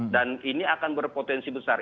dan ini akan berpotensi besar